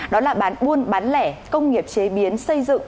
đó là bán buôn bán lẻ công nghiệp chế biến xây dựng